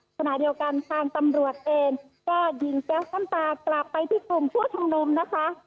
ขณะเดียวกันทางตำรวจเองก็ยิงแก๊สน้ำตากลับไปที่กลุ่มผู้ชมนุมนะคะ